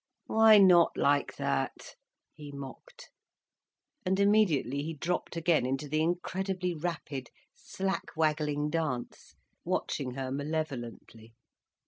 "Why not like that?" he mocked. And immediately he dropped again into the incredibly rapid, slack waggling dance, watching her malevolently.